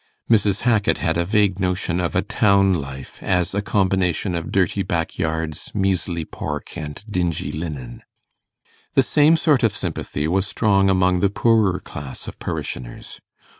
Mrs. Hackit had a vague notion of a town life as a combination of dirty backyards, measly pork, and dingy linen. The same sort of sympathy was strong among the poorer class of parishioners.